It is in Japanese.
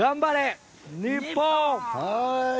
日本！